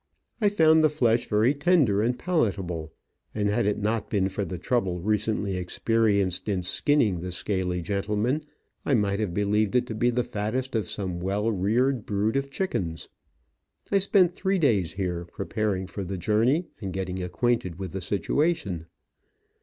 I found the flesh very tender and palatable, and, had it not been for the trouble recently experienced in skinning the scaly gentleman, I might have believed it to be the fattest of some well reared brood of chickens. I spent three days here preparing for the journey and getting acquainted with the situation.